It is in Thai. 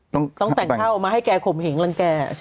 ต้องแต่งเข้ามาให้แกข่มเหงรังแก